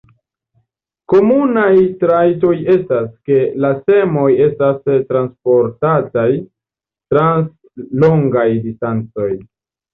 Komunaj trajtoj estas, ke la semoj estas transportataj trans longaj distancoj.